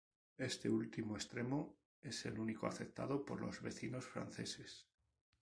Este último extremo es el único aceptado por los vecinos franceses.